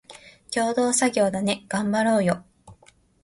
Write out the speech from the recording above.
共同作業だね、がんばろーよ